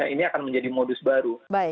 ini akan menjadi modus baru